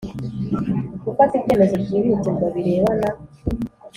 Gufata ibyemezo byihutirwa birebana